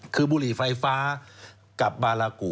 คือบุหรี่ไฟฟ้ากับบาลากุ